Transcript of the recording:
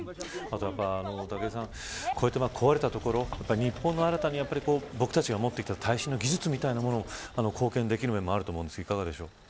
武井さん、こうやって壊れた所日本が、僕たちが持ってきた耐震の技術みたいなもので貢献できるところがあると思いますがいかがですか。